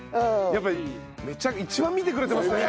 やっぱり一番見てくれてますね。